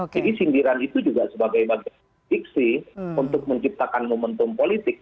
jadi sindiran itu juga sebagai bagian fiksi untuk menciptakan momentum politik